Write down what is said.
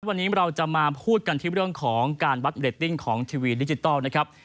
วันนี้เราจะมาพูดกันที่เรื่องของการวัดเรตติ้งของทีวีดิจิทัลนะครับ